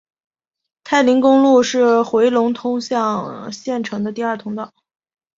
太临公路是回龙通向县城的第二通道。